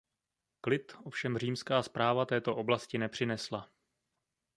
Klid ovšem římská správa této oblasti nepřinesla.